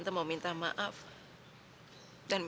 biasa udah hari ini